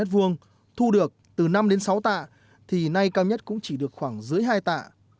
thu được từ năm đến sáu tạ thì nay cao nhất cũng chỉ được khoảng dưới hai tạ